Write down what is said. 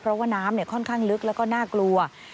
เพราะว่าน้ำค่อนข้างลึกแล้วก็น่ากลัว